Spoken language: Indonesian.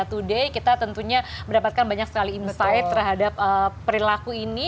ya hari ini kita tentunya mendapatkan banyak sekali insight terhadap perilaku ini